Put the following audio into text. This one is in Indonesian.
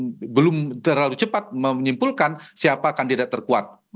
nah per hari ini kita belum terlalu cepat menyimpulkan siapa kandidat terkuat